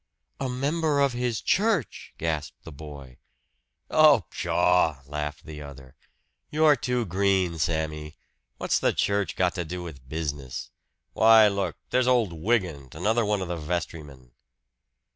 "A member of his church!" gasped the boy. "Oh, pshaw!" laughed the other. "You're too green, Sammy! What's the church got to do with business? Why, look there's old Wygant another of the vestrymen!"